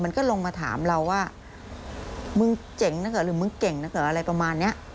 ก็ลงมาถามเราว่ามึงเจ๋งนะเกิดหรือมึงเก่งนะเกิดอะไรประมาณนี้